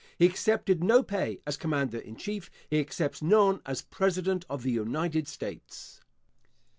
He accepted no pay as commander in chief; he accepts none as president of the United States.